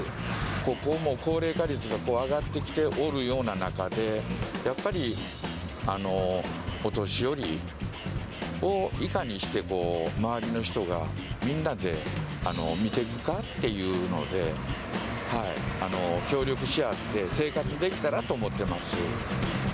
ここも高齢化率が上がってきておるような中で、やっぱりお年寄りをいかにして周りの人がみんなで見ていくかっていうので、協力し合って生活できたらと思ってます。